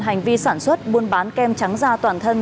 hành vi sản xuất buôn bán kem trắng da toàn thân